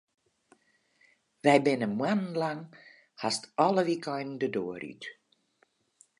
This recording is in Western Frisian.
Wy binne moannen lang hast alle wykeinen de doar út.